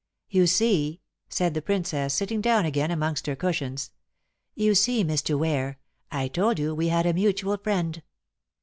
"You see," said the Princess, sitting down again amongst her cushions, "you see, Mr. Ware, I told you we had a mutual friend.